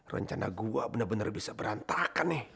rencana gua bener bener bisa berantakan nih